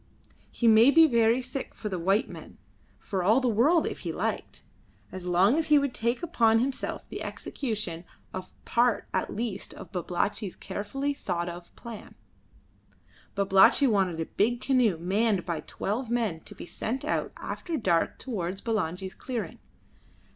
He may be very sick for the white men, for all the world if he liked, as long as he would take upon himself the execution of part at least of Babalatchi's carefully thought of plan. Babalatchi wanted a big canoe manned by twelve men to be sent out after dark towards Bulangi's clearing.